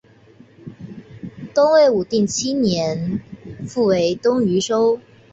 东魏武定七年复为东豫州。